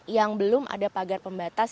yang belum ada pagar pembatas